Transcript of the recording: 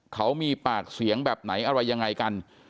เขามีปากเสียงแบบไหนอะไรยังไงกัน